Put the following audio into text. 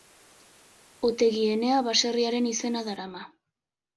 Otegi Enea baserriaren izena darama.